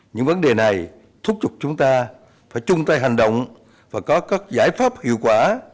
những vấn đề này thúc giục chúng ta phải chung tay hành động và có các giải pháp hiệu quả